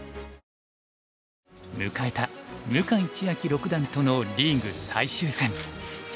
迎えた向井千瑛六段とのリーグ最終戦。